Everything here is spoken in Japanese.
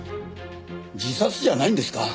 自殺じゃないんですか？